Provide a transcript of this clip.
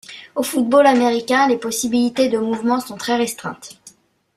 Au football américain les possibilités de mouvements sont très restreintes.